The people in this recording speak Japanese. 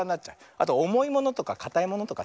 あとおもいものとかかたいものとか。